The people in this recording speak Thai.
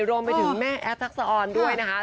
รวมไปถึงแม่แอฟทักษะออนด้วยนะคะ